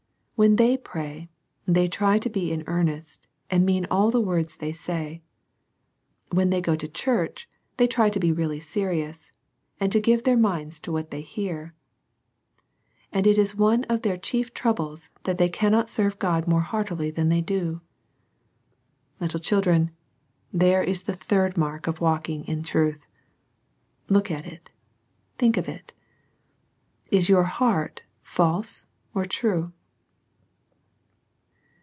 When they pray, they try to be in earnest, and mean all the words they say. When they go to church ^they try to be really serious, and to give their minds to what they hear. And it is one of their chief troubles that they cannot serve God more heartily than they do. Little children, there is the third mark of walking in truth. Look at it Think of it. Is your heart false or true